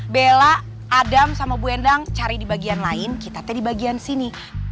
bella adam sama bu endang cari di bagian lain kita teh di bagian sini